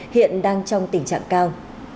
hiện đang trong tình trạng cao